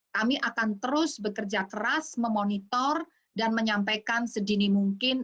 kami akan terus bekerja keras memonitor dan menyampaikan sedini mungkin